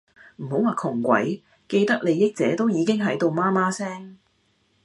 唔好話窮鬼，既得利益者都已經喺度媽媽聲